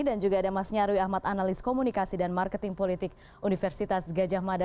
dan juga ada mas nyarwi ahmad analis komunikasi dan marketing politik universitas gajah mada